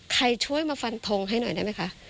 ช่วยมาฟันทงให้หน่อยได้ไหมคะ